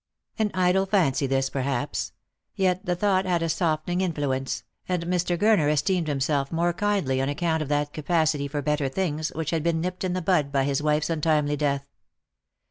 An idle fancy this, perhaps ; yet the thought had a soften ing influence, and Mr. Gurner esteemed himself more kindly on account of that capacity for better things which had been nipped in the bud by his wife's untimely death.